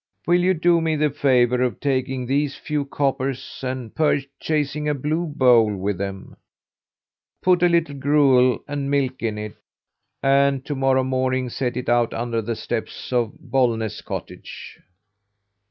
Will you do me the favour of taking these few coppers and purchasing a blue bowl with them? Put a little gruel and milk in it, and to morrow morning set it out under the steps of Bollnäs cottage."